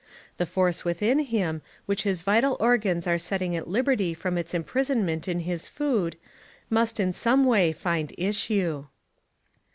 The force within him, which his vital organs are setting at liberty from its imprisonment in his food, must in some way find issue.